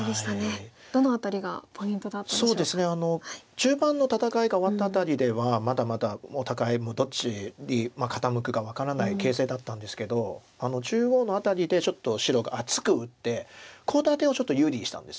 中盤の戦いが終わった辺りではまだまだお互いもうどっちに傾くか分からない形勢だったんですけど中央の辺りでちょっと白が厚く打ってコウ立てをちょっと有利にしたんです。